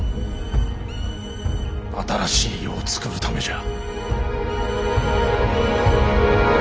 新しい世をつくるためじゃ。